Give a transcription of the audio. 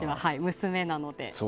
娘なので。